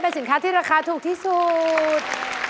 เป็นสินค้าที่ราคาถูกที่สุด